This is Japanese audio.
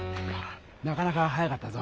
なかなか速かったぞ。